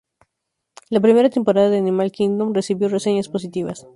La primera temporada de "Animal Kingdom" recibió reseñas positivas.